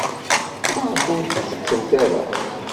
Maɣef ur tettettemt ara?